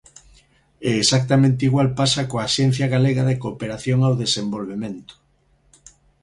E exactamente igual pasa coa Axencia Galega de Cooperación ao Desenvovemento.